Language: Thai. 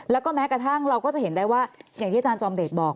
แล้วก็แม้กระทั่งเราก็จะเห็นได้ว่าอย่างที่อาจารย์จอมเดชบอก